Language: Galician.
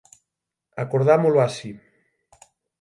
Acordámolo así.